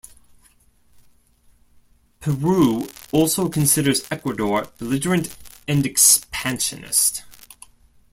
Peru also considers Ecuador belligerent and expansionist.